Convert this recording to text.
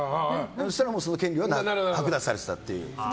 そしたら、もうその権利は剥奪されてたっていう。